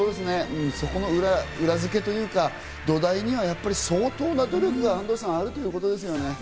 そこの裏付けというか土台にはやっぱり相当な努力があるんですよね？